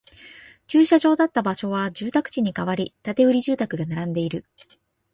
駐車場だった場所は住宅地に変わり、建売住宅が並んでいる